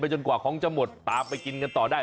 จนกว่าของจะหมดตามไปกินกันต่อได้